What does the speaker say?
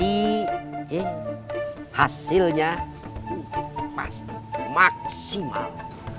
ikhlas senang hati hasilnya maksimal